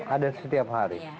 ada setiap hari